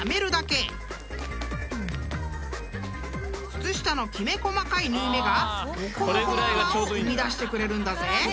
［靴下のきめ細かい縫い目がもこもこの泡を生み出してくれるんだぜ］